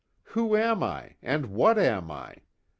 Who am I, and what am I?